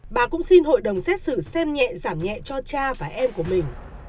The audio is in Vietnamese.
bà cũng xin hội đồng xét xử xem nhẹ giảm nhẹ cho cha và em của mình